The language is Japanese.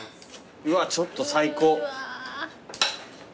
うわちょっと最高。